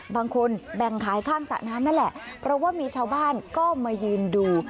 บางคนแบ่งขายข้างสระน้ำนั่นแหละเพราะว่ามีชาวบ้านก็มายืนดู